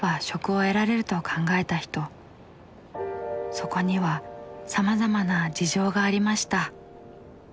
そこにはさまざまな事情がありました。